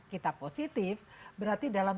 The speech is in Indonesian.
kita positif berarti dalam